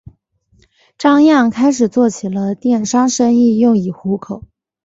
张漾开始做起了电商生意用以糊口。